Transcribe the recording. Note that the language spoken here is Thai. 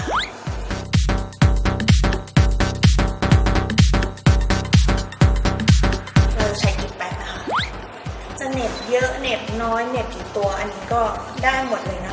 เราใช้กี่แป๊บนะคะจะเหน็บเยอะเหน็บน้อยเหน็บกี่ตัวอันนี้ก็ได้หมดเลยนะคะ